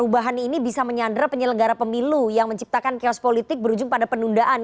perubahan ini bisa menyandra penyelenggara pemilu yang menciptakan chaos politik berujung pada penundaan